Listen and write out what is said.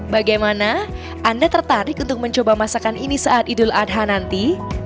bagaimana anda tertarik untuk mencoba masakan ini saat idul adha nanti